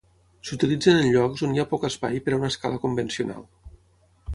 S'utilitzen en llocs on hi ha poc espai per a una escala convencional.